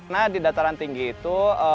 nah di dataran tinggi itu